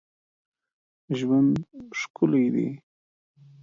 ژوند ښکلی دی.